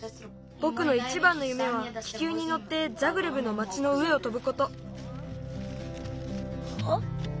ぼくのいちばんのゆめは気球にのってザグレブの町の上を飛ぶこと。